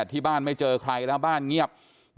ที่บ้านไม่เจอใครเพราะบ้านเงียบ